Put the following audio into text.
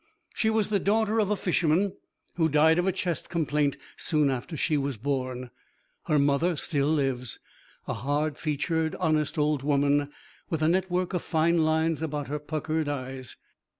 She was the daughter of a fisherman who died of a chest complaint soon after she was born. Her mother still lives, a hard featured honest old woman, with a network of fine lines about her puckered eyes.